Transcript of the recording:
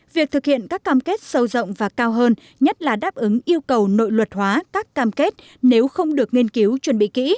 việc thực hiện các cam kết sâu rộng và cao hơn nhất là đáp ứng yêu cầu nội luật hóa các cam kết nếu không được nghiên cứu chuẩn bị kỹ